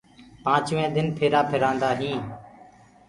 پآنچوينٚ دن ڦيرآ ڦيرآندآ هينٚ۔